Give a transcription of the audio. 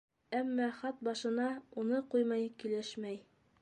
Әммә хат башына уны ҡуймай килешмәй.